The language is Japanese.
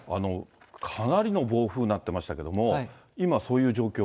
かなりの暴風になってましたけども、今、そういう状況？